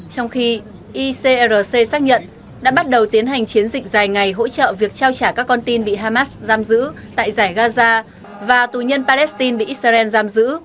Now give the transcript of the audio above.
trong khi icrc xác nhận đã bắt đầu tiến hành chiến dịch dài ngày hỗ trợ việc trao trả các con tin bị hamas giam giữ tại giải gaza và tù nhân palestine bị israel giam giữ